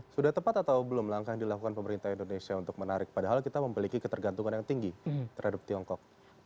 sudah tepat atau belum langkah yang dilakukan pemerintah indonesia untuk menarik padahal kita memiliki ketergantungan yang tinggi terhadap tiongkok